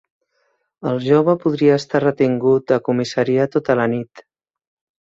El jove podria estar retingut a comissaria tota la nit